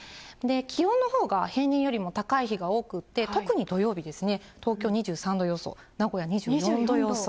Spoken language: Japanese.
気温のほうが平年よりも高い日が多くて、特に土曜日ですね、東京２３度予想、名古屋２４度予想。